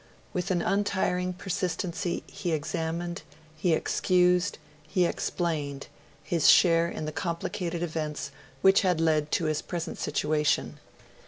With an unerring persistency he examined, he excused, he explained, his share in the complicated events which had led to his present situation.